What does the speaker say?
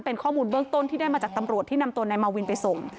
เป็นข้อมูลเบื้องต้นที่ได้มาจากตำรวจที่นำตัวนายมาวินไปส่ง